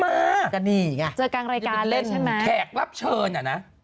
ก็นี่ไงเจอกลางรายการเล่นใช่ไหมแขกรับเชิญอ่ะนะ